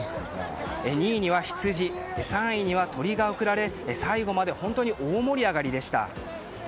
２位にはヒツジ３位には鶏が贈られ最後まで本当に大盛り上がりでした。